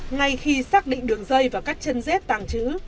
ngay khi xác định đường dây và các chân dết tàng trữ